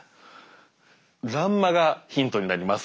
欄間がヒントになります。